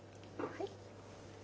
はい。